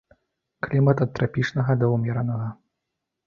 Клімат ад трапічнага да ўмеранага.